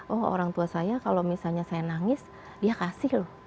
oh orang tua saya kalau misalnya saya nangis dia kasih loh